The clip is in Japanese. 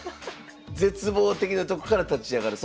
絶望的なとこから立ち上がる。